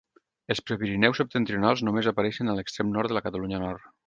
Els Prepirineus septentrionals només apareixen a l'extrem nord de la Catalunya Nord.